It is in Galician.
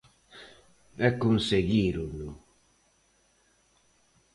E conseguírono.